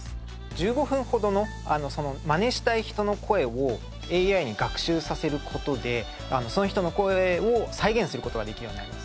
１５分ほどの真似したい人の声をＡＩに学習させる事でその人の声を再現する事ができるようになります。